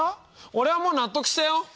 俺はもう納得したよ。